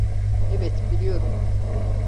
Evet, biliyorum.